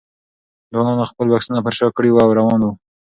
ځوانانو خپل بکسونه پر شا کړي وو او روان وو.